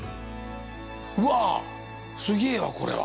うわ、すげえわ、これは。